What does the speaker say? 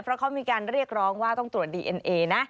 เพราะเขามีการเรียกร้องว่าต้องตรวจดีเอ็นเอนะ